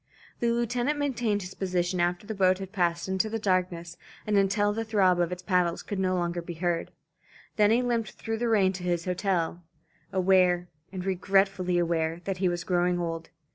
The lieutenant maintained his position after the boat had passed into the darkness and until the throb of its paddles could no longer be heard. Then he limped through the rain to his hotel, aware, and regretfully aware, that he was growing old.